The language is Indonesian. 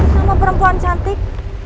sama perempuan cantik